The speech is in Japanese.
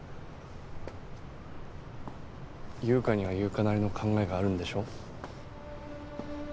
優香には優香なりの考えがあるんでしょ？